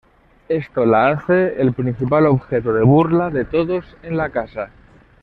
Esto la hace el principal objeto de burla de todos en la casa.